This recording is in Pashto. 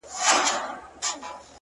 زما خو ټوله زنده گي توره ده ـ